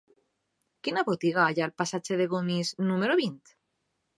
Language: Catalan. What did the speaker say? Quina botiga hi ha al passatge de Gomis número vint?